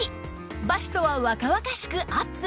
バストは若々しくアップ